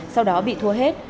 sau đó bị thua hết